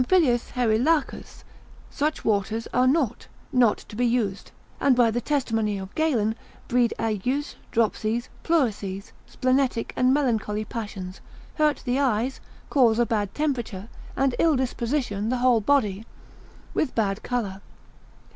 aquarum, such waters are naught, not to be used, and by the testimony of Galen, breed agues, dropsies, pleurisies, splenetic and melancholy passions, hurt the eyes, cause a bad temperature, and ill disposition of the whole body, with bad colour.